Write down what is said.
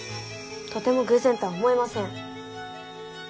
とても偶然とは思えません。